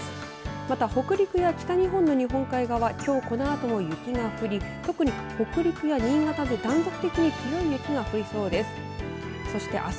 また、北陸や北日本や日本海側ではきょうこのあとも雪が降り特に北陸や新潟で断続的に強い雪が降りそうです。